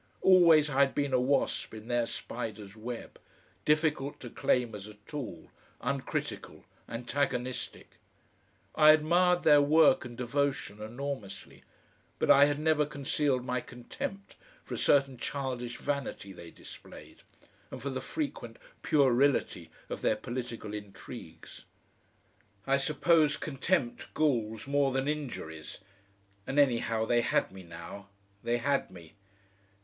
Always I had been a wasp in their spider's web, difficult to claim as a tool, uncritical, antagonistic. I admired their work and devotion enormously, but I had never concealed my contempt for a certain childish vanity they displayed, and for the frequent puerility of their political intrigues. I suppose contempt galls more than injuries, and anyhow they had me now. They had me.